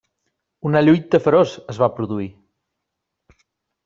Una lluita feroç es va produir.